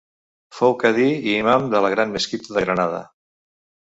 Fou cadi i imam de la gran mesquita de Granada.